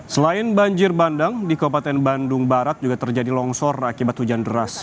selain banjir bandang di kabupaten bandung barat juga terjadi longsor akibat hujan deras